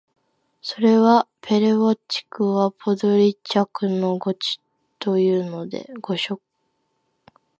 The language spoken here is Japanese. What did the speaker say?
それは「ペレヴォッチクはポドリャッチクの誤植」というので、